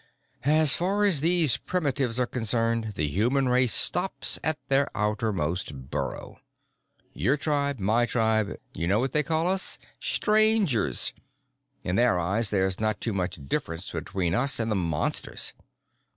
As far as these primitives are concerned, the human race stops at their outermost burrow. Your tribe, my tribe you know what they call us? Strangers. In their eyes, there's not too much difference between us and the Monsters."